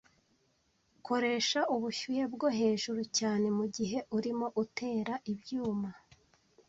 Koresha ubushyuhe bwo hejuru cyane mugihe urimo utera ibyuma